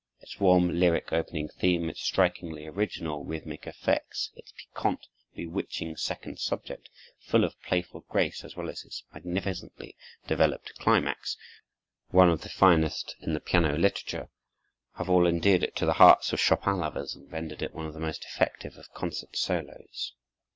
Its warm, lyric opening theme, its strikingly original rhythmic effects, its piquant, bewitching second subject, full of playful grace, as well as its magnificently developed climax, one of the finest in the piano literature, have all endeared it to the hearts of Chopin lovers and rendered it one of the most effective of concert solos.